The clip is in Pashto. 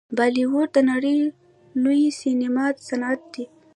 بالیووډ د نړۍ لوی سینما صنعت دی.